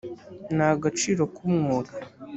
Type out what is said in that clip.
ni agaciro k’umwuga